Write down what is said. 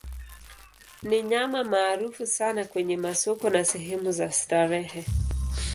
Ni nyama maarufu sana kwenye masoko na sehemu za starehe.